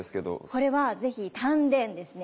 これは是非丹田ですね。